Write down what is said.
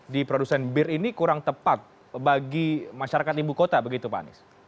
di produsen bir ini kurang tepat bagi masyarakat ibu kota begitu pak anies